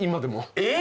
えっ！？